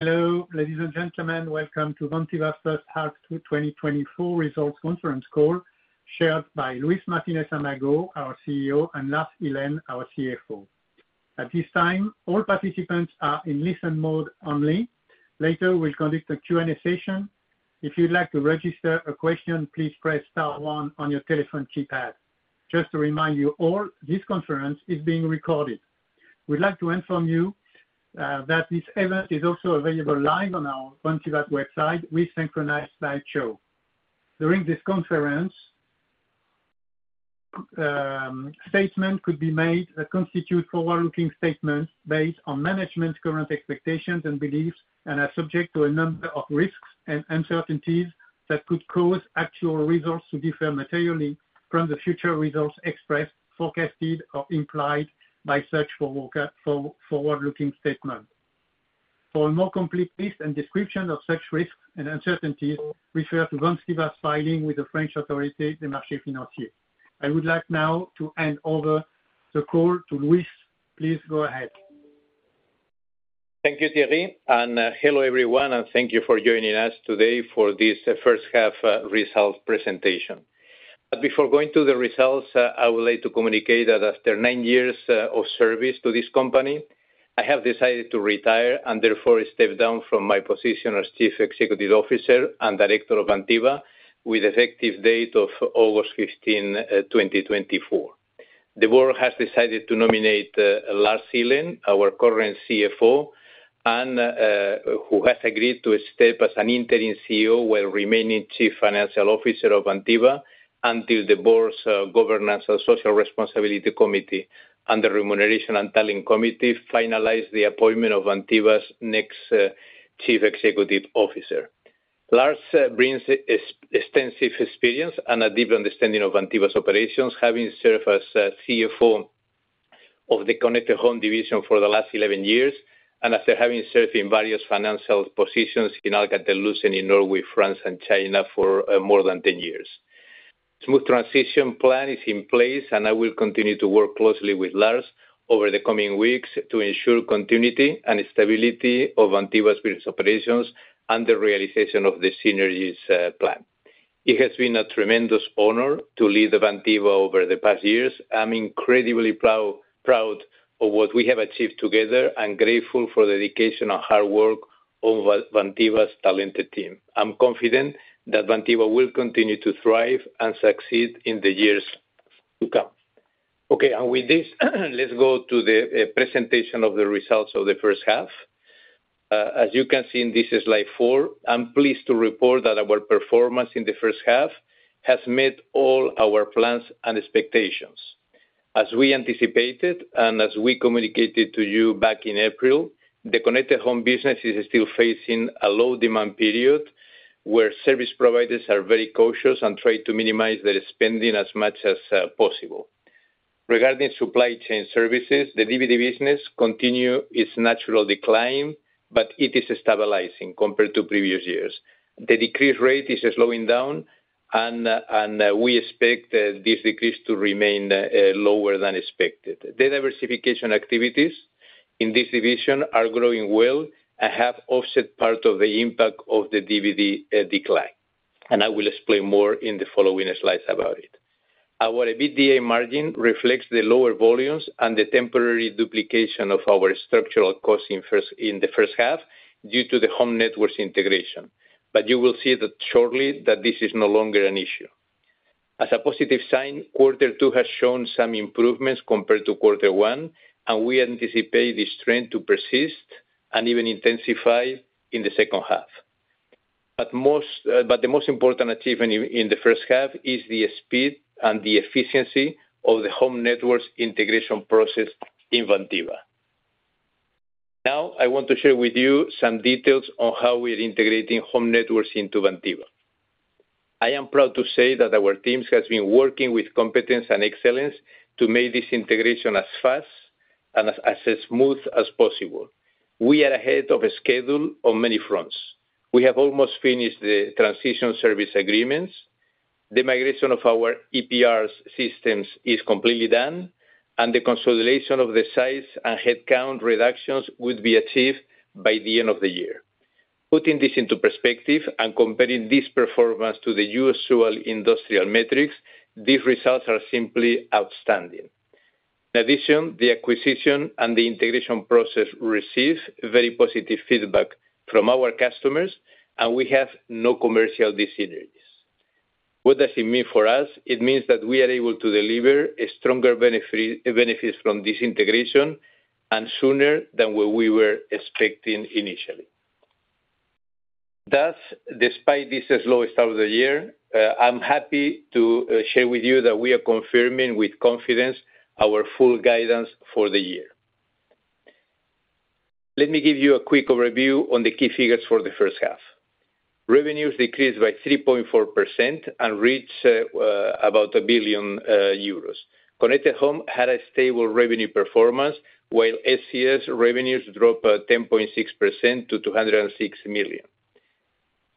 Hello, ladies and gentlemen. Welcome to Vantiva's first half 2024 results conference call, shared by Luis Martínez-Amago, our CEO, and Lars Ihlen, our CFO. At this time, all participants are in listen mode only. Later, we'll conduct a Q&A session. If you'd like to register a question, please press star one on your telephone keypad. Just to remind you all, this conference is being recorded. We'd like to inform you that this event is also available live on our Vantiva's website, which is synchronized slide show. During this conference, statements could be made that constitute forward-looking statements based on management's current expectations and beliefs, and are subject to a number of risks and uncertainties that could cause actual results to differ materially from the future results expressed, forecasted, or implied by such forward-looking statements. For a more complete list and description of such risks and uncertainties, refer to Vantiva's filing with the French authority, the Autorité des marchés financiers. I would like now to hand over the call to Luis. Please go ahead. Thank you, Thierry. And hello, everyone. And thank you for joining us today for this first half result presentation. But before going to the results, I would like to communicate that after nine years of service to this company, I have decided to retire and therefore step down from my position as Chief Executive Officer and Director of Vantiva, with effective date of August 15, 2024. The board has decided to nominate Lars Ihlen, our current CFO, who has agreed to step as an interim CEO while remaining Chief Financial Officer of Vantiva until the board's Governance and Social Responsibility Committee and the Remuneration and Nomination Committee finalize the appointment of Vantiva's next Chief Executive Officer. Lars brings extensive experience and a deep understanding of Vantiva's operations, having served as CFO of the Connected Home division for the last 11 years, and after having served in various financial positions in Alcatel-Lucent in Norway, France, and China for more than 10 years. A smooth transition plan is in place, and I will continue to work closely with Lars over the coming weeks to ensure continuity and stability of Vantiva's business operations and the realization of the synergies plan. It has been a tremendous honor to lead Vantiva over the past years. I'm incredibly proud of what we have achieved together and grateful for the dedication and hard work of Vantiva's talented team. I'm confident that Vantiva will continue to thrive and succeed in the years to come. Okay, and with this, let's go to the presentation of the results of the first half. As you can see in this slide four, I'm pleased to report that our performance in the first half has met all our plans and expectations. As we anticipated and as we communicated to you back in April, the Connected Home business is still facing a low-demand period where service providers are very cautious and try to minimize their spending as much as possible. Regarding supply chain services, the DVD business continues its natural decline, but it is stabilizing compared to previous years. The decrease rate is slowing down, and we expect this decrease to remain lower than expected. Diversification activities in this division are growing well and have offset part of the impact of the DVD decline. I will explain more in the following slides about it. Our EBITDA margin reflects the lower volumes and the temporary duplication of our structural costs in the first half due to the Home Networks integration. But you will see shortly that this is no longer an issue. As a positive sign, quarter two has shown some improvements compared to quarter one, and we anticipate this trend to persist and even intensify in the second half. But the most important achievement in the first half is the speed and the efficiency of the Home Networks integration process in Vantiva. Now, I want to share with you some details on how we are integrating Home Networks into Vantiva. I am proud to say that our team has been working with competence and excellence to make this integration as fast and as smooth as possible. We are ahead of schedule on many fronts. We have almost finished the transition service agreements. The migration of our ERP systems is completely done, and the consolidation of the size and headcount reductions would be achieved by the end of the year. Putting this into perspective and comparing this performance to the usual industrial metrics, these results are simply outstanding. In addition, the acquisition and the integration process received very positive feedback from our customers, and we have no commercial disinterest. What does it mean for us? It means that we are able to deliver stronger benefits from this integration and sooner than what we were expecting initially. Thus, despite this slow start of the year, I'm happy to share with you that we are confirming with confidence our full guidance for the year. Let me give you a quick overview on the key figures for the first half. Revenues decreased by 3.4% and reached about 1 billion euros. Connected Home had a stable revenue performance, while SCS revenues dropped 10.6% to 206 million.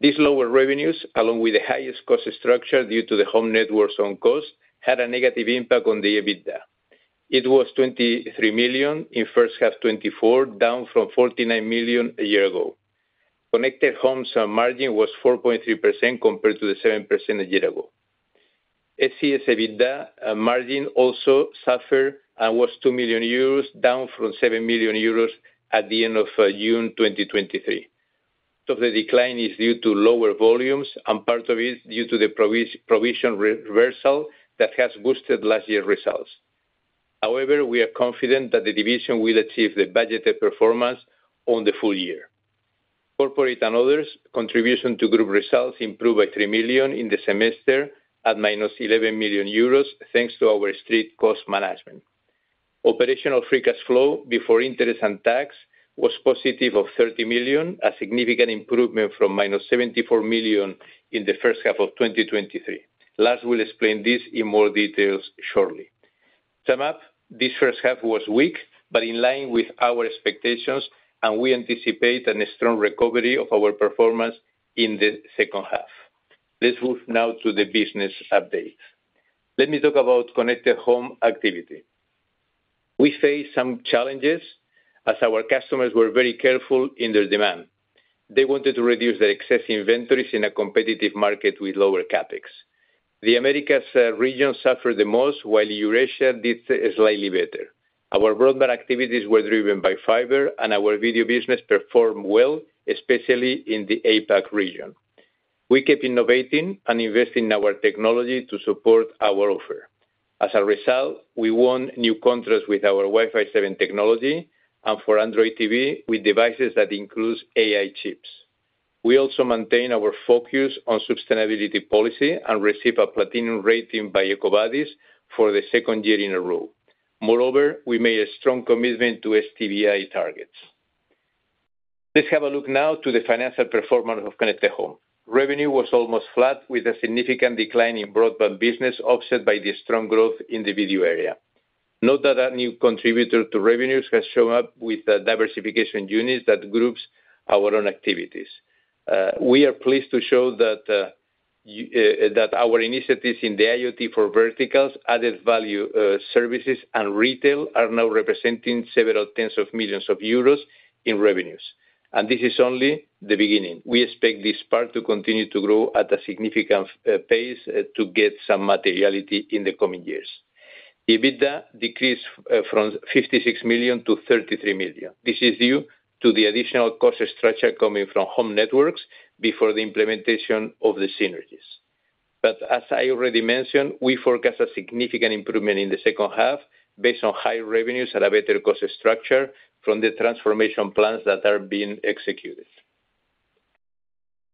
These lower revenues, along with the highest cost structure due to the Home Networks on cost, had a negative impact on the EBITDA. It was 23 million in first half 2024, down from 49 million a year ago. Connected Home's margin was 4.3% compared to the 7% a year ago. SCS EBITDA margin also suffered and was 2 million euros, down from 7 million euros at the end of June 2023. Of the decline is due to lower volumes, and part of it is due to the provision reversal that has boosted last year's results. However, we are confident that the division will achieve the budgeted performance on the full year. Corporate and others' contribution to group results improved by 3 million in the semester at -11 million euros, thanks to our strict cost management. Operational free cash flow before interest and tax was positive of 30 million, a significant improvement from -74 million in the first half of 2023. Lars will explain this in more detail shortly. Sum up, this first half was weak, but in line with our expectations, and we anticipate a strong recovery of our performance in the second half. Let's move now to the business updates. Let me talk about connected home activity. We faced some challenges as our customers were very careful in their demand. They wanted to reduce their excess inventories in a competitive market with lower CapEx. The Americas region suffered the most, while Eurasia did slightly better. Our broadband activities were driven by fiber, and our video business performed well, especially in the APAC region. We kept innovating and investing in our technology to support our offer. As a result, we won new contracts with our Wi-Fi 7 technology and for Android TV with devices that include AI chips. We also maintain our focus on sustainability policy and received a platinum rating by EcoVadis for the second year in a row. Moreover, we made a strong commitment to SBTi targets. Let's have a look now to the financial performance of Connected Home. Revenue was almost flat, with a significant decline in broadband business offset by the strong growth in the video area. Note that our new contributor to revenues has shown up with diversification units that groups our own activities. We are pleased to show that our initiatives in the IoT for verticals, added value services, and retail are now representing several tens of millions of euros in revenues. This is only the beginning. We expect this part to continue to grow at a significant pace to get some materiality in the coming years. EBITDA decreased from 56 million to 33 million. This is due to the additional cost structure coming from Home Networks before the implementation of the synergies. But as I already mentioned, we forecast a significant improvement in the second half based on higher revenues and a better cost structure from the transformation plans that are being executed.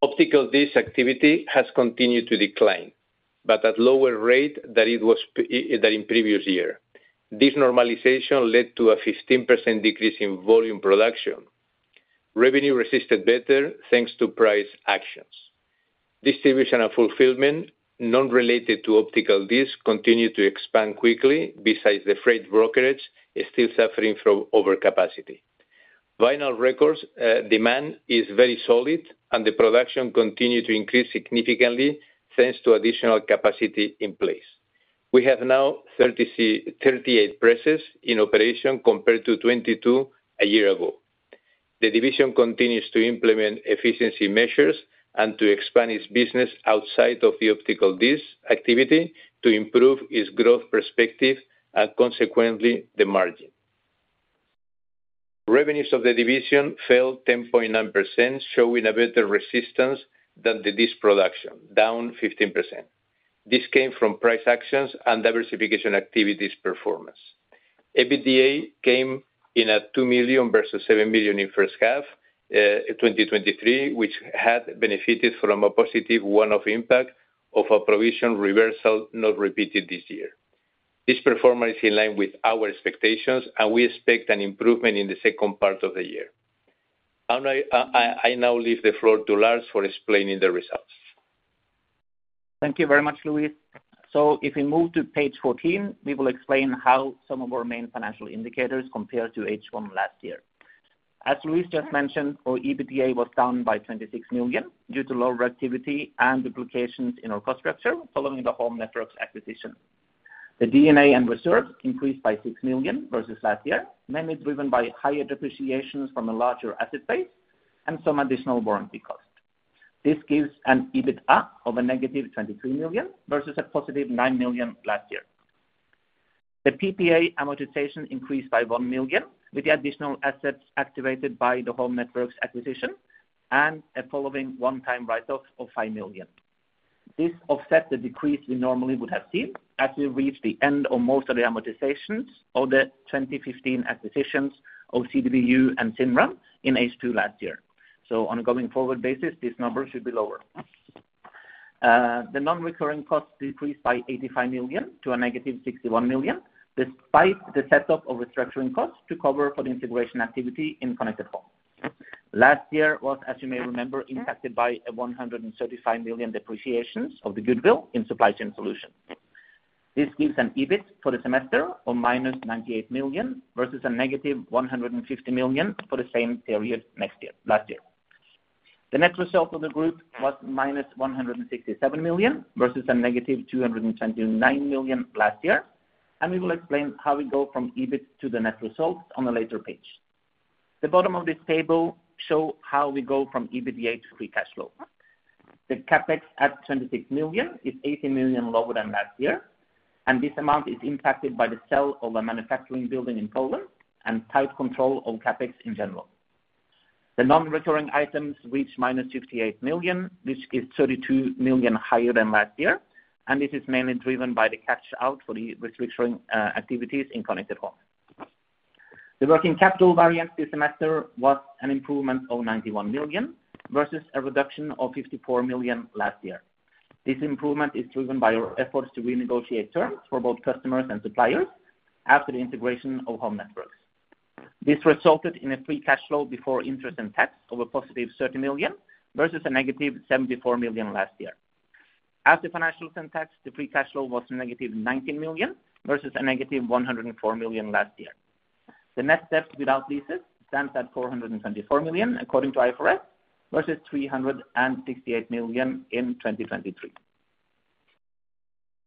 Optical disc activity has continued to decline, but at a lower rate than in the previous year. This normalization led to a 15% decrease in volume production. Revenue resisted better thanks to price actions. Distribution and fulfillment, non-related to optical disc, continued to expand quickly besides the freight brokerage, still suffering from overcapacity. Vinyl records demand is very solid, and the production continued to increase significantly thanks to additional capacity in place. We have now 38 presses in operation compared to 22 a year ago. The division continues to implement efficiency measures and to expand its business outside of the optical disc activity to improve its growth perspective and consequently the margin. Revenues of the division fell 10.9%, showing a better resistance than the disc production, down 15%. This came from price actions and diversification activities performance. EBITDA came in at 2 million versus 7 million in first half 2023, which had benefited from a positive one-off impact of a provision reversal not repeated this year. This performance is in line with our expectations, and we expect an improvement in the second part of the year. I now leave the floor to Lars for explaining the results. Thank you very much, Luis. So if we move to page 14, we will explain how some of our main financial indicators compared to H1 last year. As Luis just mentioned, our EBITDA was down by 26 million due to low activity and duplications in our cost structure following the Home Networks acquisition. The D&A and reserves increased by 6 million versus last year, mainly driven by higher depreciations from a larger asset base and some additional warranty costs. This gives an EBITA of a -23 million versus a +9 million last year. The PPA amortization increased by 1 million, with the additional assets activated by the Home Networks acquisition and a following one-time write-off of 5 million. This offsets the decrease we normally would have seen as we reached the end of most of the amortizations of the 2015 acquisitions of CWU and Cinram in H2 last year. On a going forward basis, these numbers should be lower. The non-recurring costs decreased by 85 million to -61 million, despite the setup of restructuring costs to cover for the integration activity in Connected Home. Last year was, as you may remember, impacted by 135 million depreciations of the goodwill in Supply Chain Solutions. This gives an EBIT for the semester of -98 million versus -150 million for the same period last year. The net result of the group was -167 million versus -229 million last year. We will explain how we go from EBIT to the net result on a later page. The bottom of this table shows how we go from EBITDA to free cash flow. The CapEx at 26 million is 18 million lower than last year, and this amount is impacted by the sale of a manufacturing building in Poland and tight control of CapEx in general. The non-recurring items reach minus 58 million, which is 32 million higher than last year, and this is mainly driven by the cash-out for the restructuring activities in Connected Home. The working capital variance this semester was an improvement of 91 million versus a reduction of 54 million last year. This improvement is driven by our efforts to renegotiate terms for both customers and suppliers after the integration of Home Networks. This resulted in a free cash flow before interest and tax of a +30 million versus a -74 million last year. After financials and tax, the free cash flow was +19 million versus a +104 million last year. The net debt without leases stands at 424 million, according to IFRS, versus 368 million in 2023.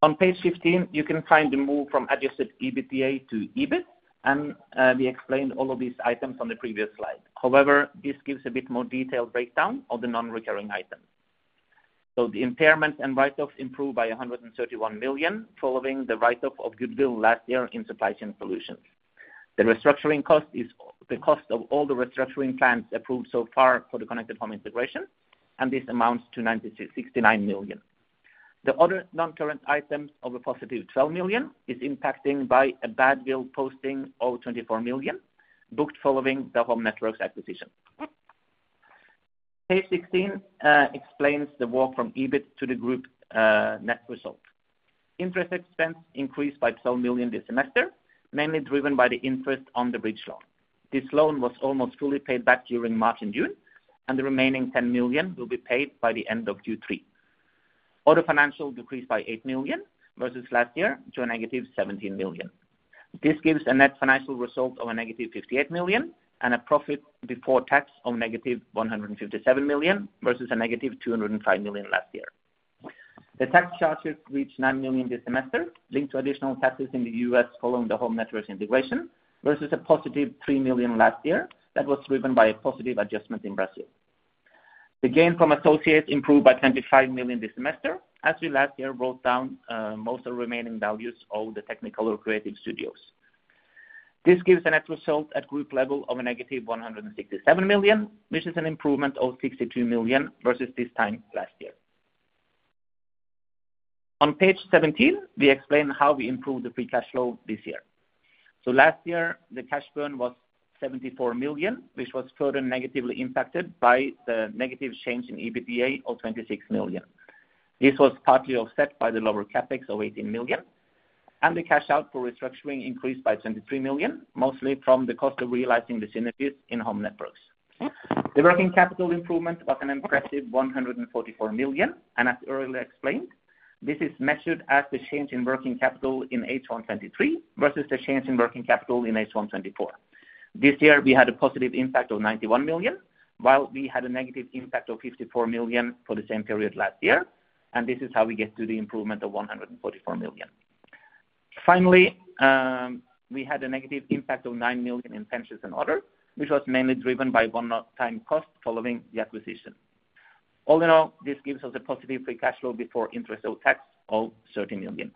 On page 15, you can find the move from adjusted EBITDA to EBIT, and we explained all of these items on the previous slide. However, this gives a bit more detailed breakdown of the non-recurring items. So the impairments and write-offs improved by 131 million following the write-off of Goodwill last year in Supply Chain Solutions. The restructuring cost is the cost of all the restructuring plans approved so far for the Connected Home integration, and this amounts to 969 million. The other non-current items of a +12 million is impacted by a badwill posting of 24 million booked following the Home Networks acquisition. Page 16 explains the walk from EBIT to the group net result. Interest expense increased by 12 million this semester, mainly driven by the interest on the bridge loan. This loan was almost fully paid back during March and June, and the remaining 10 million will be paid by the end of Q3. Other financials decreased by 8 million versus last year to a -17 million. This gives a net financial result of a -58 million and a profit before tax of -157 million versus a -205 million last year. The tax charges reached 9 million this semester, linked to additional taxes in the U.S. following the Home Networks integration versus a +3 million last year that was driven by a positive adjustment in Brazil. The gain from associates improved by 25 million this semester as we last year brought down most of the remaining values of the Technicolor Creative Studios. This gives a net result at group level of a -167 million, which is an improvement of 62 million versus this time last year. On page 17, we explain how we improved the free cash flow this year. Last year, the cash burn was 74 million, which was further negatively impacted by the negative change in EBITDA of 26 million. This was partly offset by the lower CapEx of 18 million, and the cash out for restructuring increased by 23 million, mostly from the cost of realizing the synergies in Home Networks. The working capital improvement was an impressive 144 million, and as earlier explained, this is measured as the change in working capital in H123 versus the change in working capital in H1 2024. This year, we had a positive impact of 91 million, while we had a negative impact of 54 million for the same period last year, and this is how we get to the improvement of 144 million. Finally, we had a negative impact of 9 million in pensions and others, which was mainly driven by one-time cost following the acquisition. All in all, this gives us a positive free cash flow before interest or tax of 30 million.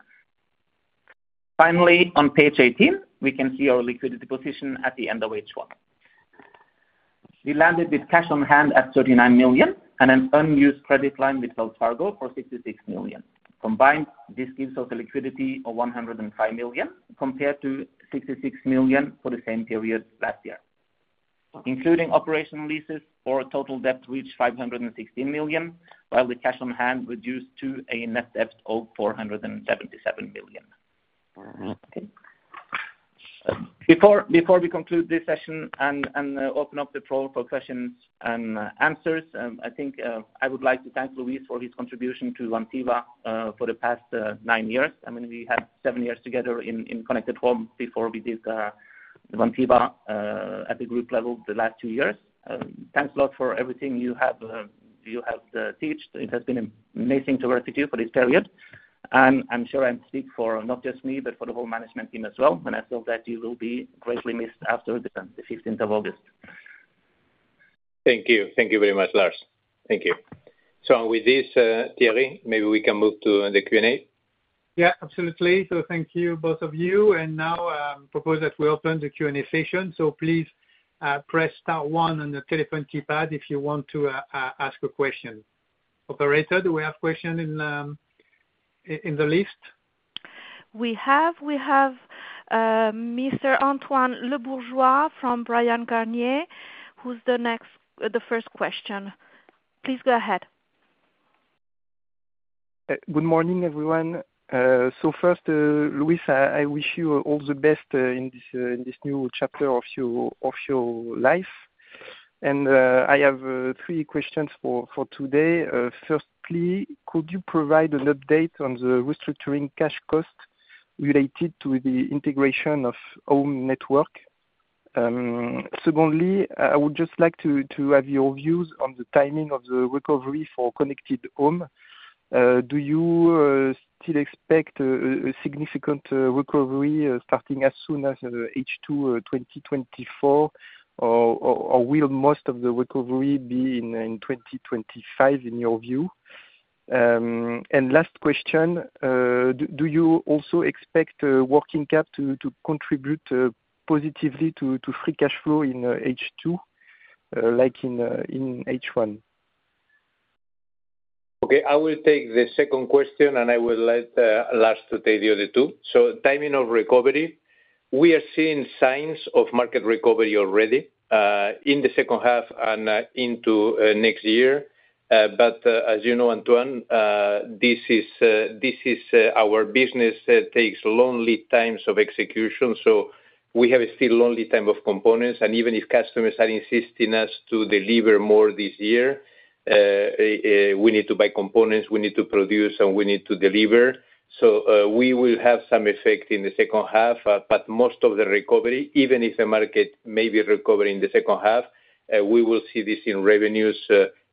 Finally, on page 18, we can see our liquidity position at the end of H1. We landed with cash on hand at 39 million and an unused credit line with Wells Fargo for 66 million. Combined, this gives us a liquidity of 105 million compared to 66 million for the same period last year. Including operational leases, our total debt reached 516 million, while the cash on hand reduced to a net debt of 477 million. Before we conclude this session and open up the floor for questions and answers, I think I would like to thank Luis for his contribution to Vantiva for the past nine years. I mean, we had seven years together in Connected Home before we did Vantiva at the group level the last two years. Thanks a lot for everything you have taught. It has been amazing to work with you for this period. I'm sure I'm speaking for not just me, but for the whole management team as well. I feel that you will be greatly missed after the 15th of August. Thank you. Thank you very much, Lars. Thank you. So with this, Thierry, maybe we can move to the Q&A? Yeah, absolutely. Thank you, both of you. Now I propose that we open the Q&A session. Please press star one on the telephone keypad if you want to ask a question. Operator, do we have questions in the list? We have Mr. Antoine Le Bourgeois from Bryan Garnier, who has the first question. Please go ahead. Good morning, everyone. First, Luis, I wish you all the best in this new chapter of your life. I have three questions for today. Firstly, could you provide an update on the restructuring cash cost related to the integration of Home Networks? Secondly, I would just like to have your views on the timing of the recovery for Connected Home. Do you still expect a significant recovery starting as soon as H2 2024, or will most of the recovery be in 2025 in your view? Last question, do you also expect Working Cap to contribute positively to free cash flow in H2, like in H1? Okay, I will take the second question, and I will let Lars take the other two. So timing of recovery, we are seeing signs of market recovery already in the second half and into next year. But as you know, Antoine, this is our business takes long lead times of execution. So we have still long lead time of components. And even if customers are asking us to deliver more this year, we need to buy components, we need to produce, and we need to deliver. So we will have some effect in the second half, but most of the recovery, even if the market may be recovering in the second half, we will see this in revenues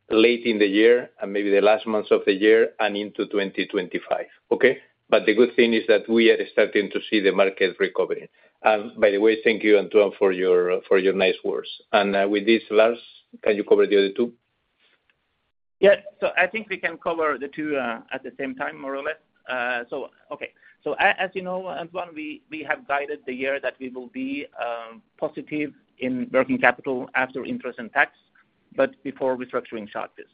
late in the year and maybe the last months of the year and into 2025. Okay? But the good thing is that we are starting to see the market recovering. And by the way, thank you, Antoine, for your nice words. And with this, Lars, can you cover the other two? Yeah, so I think we can cover the two at the same time, more or less. So okay. So as you know, Antoine, we have guided the year that we will be positive in working capital after interest and tax, but before restructuring charges.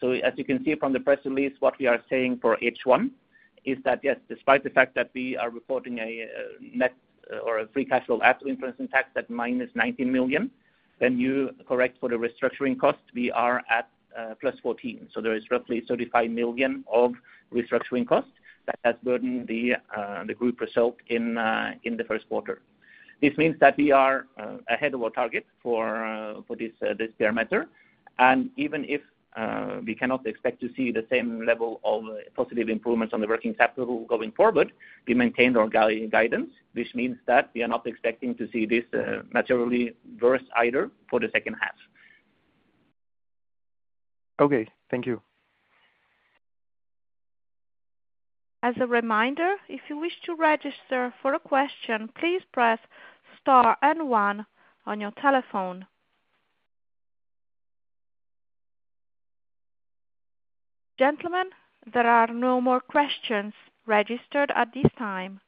So as you can see from the press release, what we are saying for H1 is that, yes, despite the fact that we are reporting a net or a free cash flow after interest and tax at -19 million, when you correct for the restructuring cost, we are at +14 million. So there is roughly 35 million of restructuring costs that has burdened the group result in the first quarter. This means that we are ahead of our target for this parameter. Even if we cannot expect to see the same level of positive improvements on the working capital going forward, we maintain our guidance, which means that we are not expecting to see this materially worse either for the second half. Okay, thank you. As a reminder, if you wish to register for a question, please press star and one on your telephone. Gentlemen, there are no more questions registered at this time.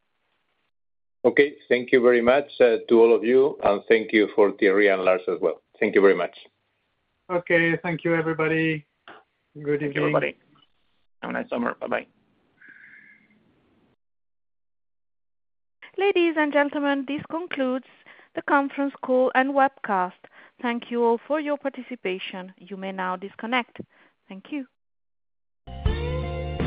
Okay, thank you very much to all of you, and thank you for Thierry and Lars as well. Thank you very much. Okay, thank you, everybody. Good evening. Thank you, everybody. Have a nice summer. Bye-bye. Ladies and gentlemen, this concludes the conference call and webcast. Thank you all for your participation. You may now disconnect. Thank you.